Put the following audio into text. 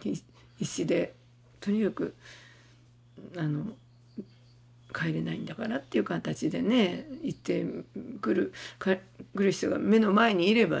必死でとにかく帰れないんだからっていう形でね言ってくる人が目の前にいればね